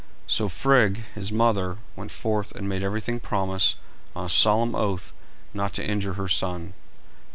So Frigg, his mother, went forth and made everything promise, on a solemn oath, not to injure her son.